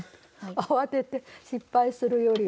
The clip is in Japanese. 慌てて失敗するよりは。